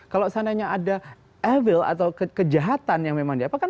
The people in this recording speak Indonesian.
kalau seandainya ada evil atau kejahatan yang memang diapakan